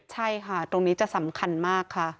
ใช่ค่ะตรงนี้จะสำคัญมากค่ะ